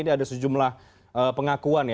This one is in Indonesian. ini ada sejumlah pengakuan